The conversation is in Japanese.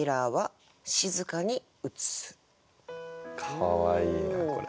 かわいいなこれ。